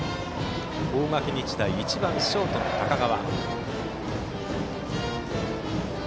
大垣日大、１番ショートの高川。